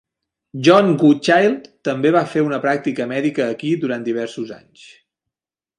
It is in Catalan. John Goodchild també va fer una pràctica mèdica aquí durant diversos anys.